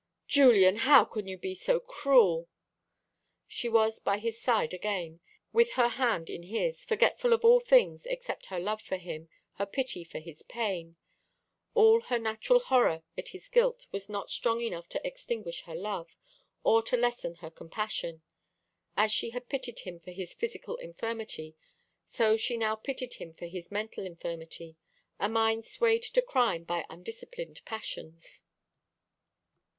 "Julian, how can you be so cruel?" She was by his side again, with her hand in his, forgetful of all things except her love for him, her pity for his pain. All her natural horror at his guilt was not strong enough to extinguish her love, or to lessen her compassion. As she had pitied him for his physical infirmity, so she now pitied him for his mental infirmity a mind swayed to crime by undisciplined passions.